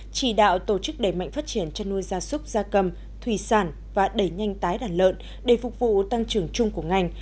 chỉ đạo tổ chức đẩy mạnh phát triển chăn nuôi gia súc gia cầm thủy sản và đẩy nhanh tái đàn lợn để phục vụ tăng trưởng chung của ngành